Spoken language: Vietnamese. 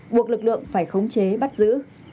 buộc lực lượng phải khống chế bắt giữ